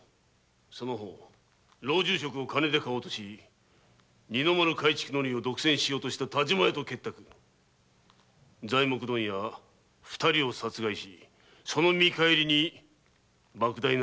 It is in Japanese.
その方老中職を金で買おうとし二の丸改築の利を独占しようとした但馬屋と結託材木問屋二人を殺害しその見返りに多額の礼金を受け取った。